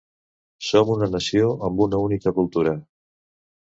Som una nació amb una única cultura.